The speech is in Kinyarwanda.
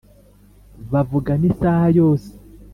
bavugana isaha yose.